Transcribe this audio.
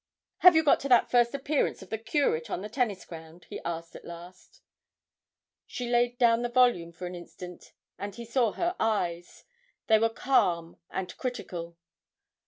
'Have you got to that first appearance of the Curate on the tennis ground?' he asked at last. She laid down the volume for an instant, and he saw her eyes they were calm and critical.